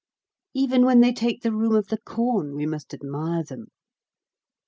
Even when they take the room of the corn we must admire them.